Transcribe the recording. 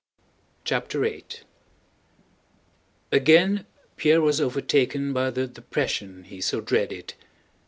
CHAPTER VIII Again Pierre was overtaken by the depression he so dreaded.